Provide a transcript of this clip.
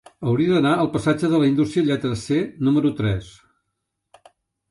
Hauria d'anar al passatge de la Indústria lletra C número tres.